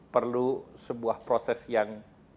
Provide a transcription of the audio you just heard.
perlu sebuah proses yang